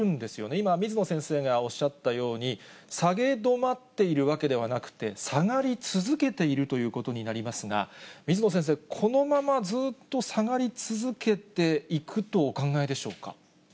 今、水野先生がおっしゃったように、下げ止まっているわけではなくて、下がり続けているということになりますが、水野先生、このままずっと下がり続けていくとお考えでしょうか。